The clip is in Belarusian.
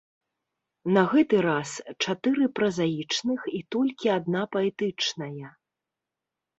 На гэты раз чатыры празаічных і толькі адна паэтычная.